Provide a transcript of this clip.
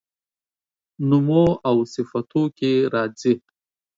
نومواوصفتوکي راځي